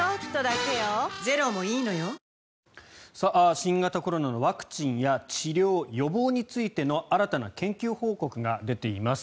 新型コロナのワクチンや治療・予防についての新たな研究報告が出ています。